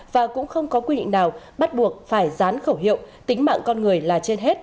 và cũng không có quy định nào bắt buộc phải dán khẩu hiệu tính mạng con người là trên hết